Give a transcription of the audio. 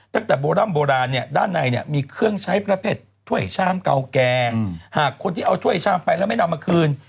ตั้งแต่โบร่ำโบราณเนี่ยด้านในเนี่ยมีเครื่องใช้ประเภทถ้วยชามเก่าแก่หากคนที่เอาถ้วยชามไปแล้วไม่นำมาคืน